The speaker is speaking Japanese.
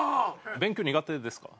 勉強苦手ですか？